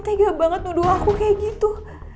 kak fani tega banget nuduh aku kayak gitu